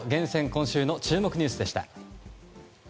今週の注目ニュースでした。